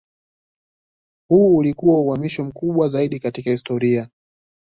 Huu ulikuwa uhamisho mkubwa zaidi katika historia.